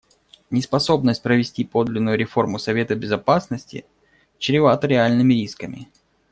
Неспособность провести подлинную реформу Совета Безопасности чревата реальными рисками.